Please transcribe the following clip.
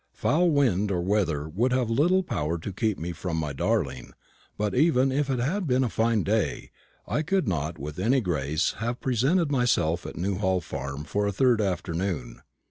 Foul wind or weather would have little power to keep me from my darling; but even if it had been a fine day, I could not with any grace have presented myself at Newhall farm for a third afternoon.